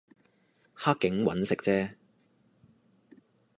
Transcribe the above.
黑警搵食啫